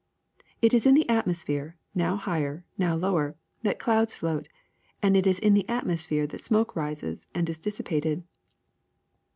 ^^It is in the atmosphere, now higher, now lower, that the clouds float ; and it is in the atmosphere that smoke rises and is dissipated.